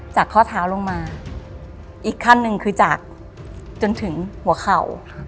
ข้อเท้าลงมาอีกขั้นหนึ่งคือจากจนถึงหัวเข่า